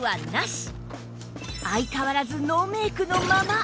相変わらずノーメイクのまま